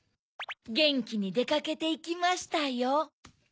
ゲンキにでかけていきましたよ。